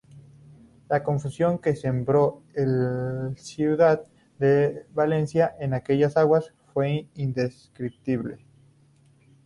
La confusión que sembró el Ciudad de Valencia en aquellas aguas fue indescriptible.